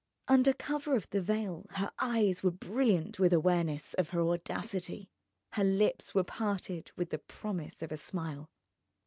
Under cover of the veil her eyes were brilliant with awareness of her audacity, her lips were parted with the promise of a smile.